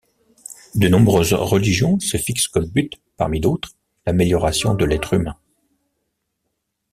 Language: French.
De nombreuses religions se fixent comme but, parmi d'autres, l'amélioration de l'être humain.